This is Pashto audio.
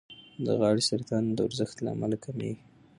د غاړې سرطان د ورزش له امله کمېږي.